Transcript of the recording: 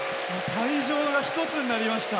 会場が一つになりました。